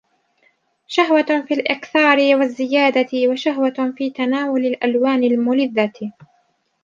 شَهْوَةٌ فِي الْإِكْثَارِ وَالزِّيَادَةِ وَشَهْوَةٌ فِي تَنَاوُلِ الْأَلْوَانِ الْمُلِذَّةِ